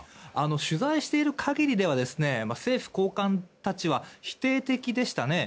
取材している限りでは政府高官たちは否定的でしたね。